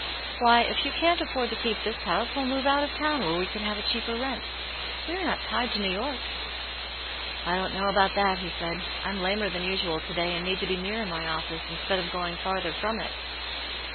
Why, if you can't afford to keep this house, we'll move out of town where we can have a cheaper rent. We are not tied to New York." " I don't know about that," he said. " I'm lamer than usual to day and need to be nearer my office, instead of going farther from it."